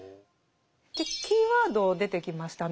でキーワード出てきました。